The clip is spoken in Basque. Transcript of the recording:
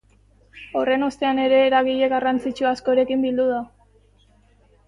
Horren ostean ere eragile garrantzitsu askorekin bildu da.